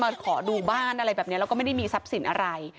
เพื่อคนซื้อจะมาขอดูบ้านอะไรแบบเนี้ยแล้วก็ไม่ได้มีทรัพย์สินอะไร